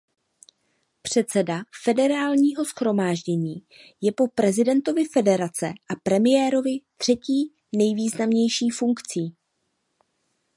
Předseda federálního shromáždění je po prezidentovi federace a premiérovi třetí nejvýznamnější funkcí.